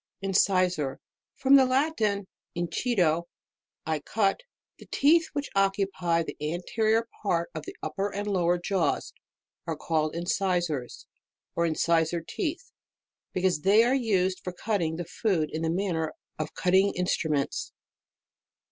INCISOR. From the Latin, incido, I cut. The teeth which occupy the anterior part of the upper and lower jaws, are called incisors, or incisor teeth, because they are used for cutting the food in the manner of cutting instruments.